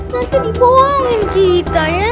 nanti dipohongin kita ya